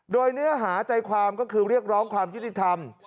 โดยเนื้อหาใจความก็คือเรียกร้องความยุติธรรม